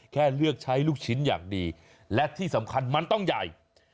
แค่เลือกใช้ลูกชิ้นอย่างดีและที่สำคัญมันต้องใหญ่